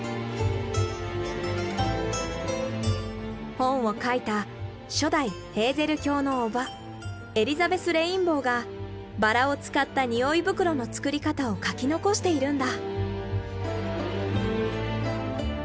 本を書いた初代ヘーゼル卿の伯母エリザベス・レインボーがバラを使った匂い袋の作り方を書き残しているんだ。